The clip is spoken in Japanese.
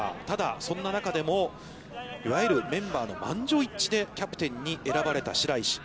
ただ、そんな中でも、いわゆるメンバーの満場一致でキャプテンに選ばれた白石。